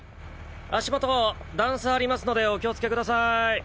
足元段差ありますのでお気をつけください。